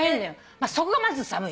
そこがまず寒い。